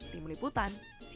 tim liputan cnn indonesia